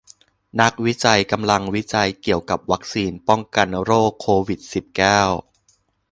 นักวิจัยกำลังวิจัยเกี่ยวกับวัคซีนป้องกันโรคโควิดสิบเก้า